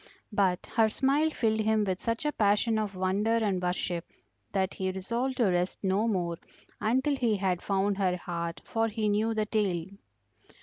But her smile filled him with such a passion of wonder and worship that he resolved to rest no more until he had found her heart, for he knew the tale.